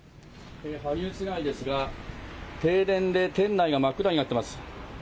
羽生市内ですが、停電で店内が真っ暗になっています。